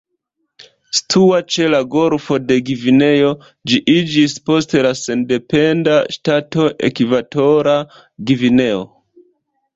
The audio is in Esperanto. Situa ĉe la golfo de Gvineo, Ĝi iĝis poste la sendependa ŝtato Ekvatora Gvineo.